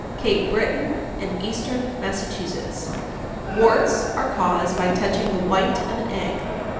Cape Breton and Eastern Massachusetts. 878. Warts are caused by touching the white of an egg.